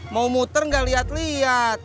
mau muter gak liat liat